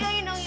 nah ini tengah